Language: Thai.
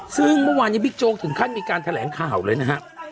ซึ่งเมื่อวานนี้บิ๊กโจ๊กถึงขั้นมีการแถลงข่าวเลยนะฮะ